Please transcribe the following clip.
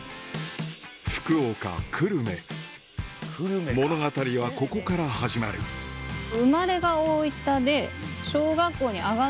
福岡・久留米物語はここから始まる生まれが大分で。